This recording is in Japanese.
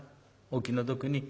お気の毒に。